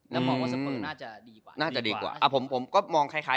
แล้วมองว่าสามารถดีกว่าผมผมก็มองคล้าย